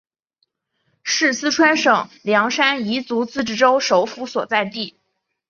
是四川省凉山彝族自治州首府所在地。